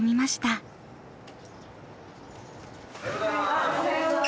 おはようございます。